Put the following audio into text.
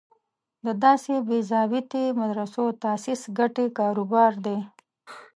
د داسې بې ضابطې مدرسو تاسیس ګټې کار و بار دی.